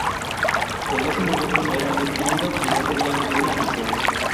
En ese momento, era muy tímido y no tenía ninguna afición.